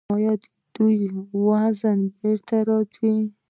ایا زما وزن به بیرته راشي؟